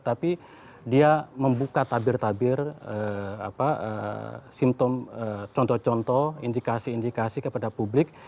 tapi dia membuka tabir tabir simptom contoh contoh indikasi indikasi kepada publik